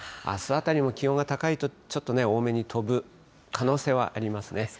あすあたりも気温が高いと、ちょっとね、多めに飛ぶ可能性はありますね。